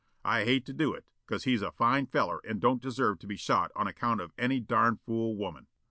I hate to do it, 'cause he's a fine feller and don't deserve to be shot on account of any darn' fool woman."